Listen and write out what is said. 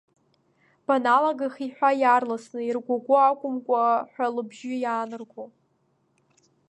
Баналагах иҳәа иаарласны, иргәагәо акәымкәа ҳәа лыбжьы иаанарго.